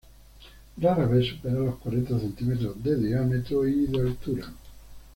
Rara vez supera los cuarenta centímetros de diámetro y de altura.